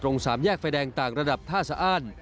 สามแยกไฟแดงต่างระดับท่าสะอ้าน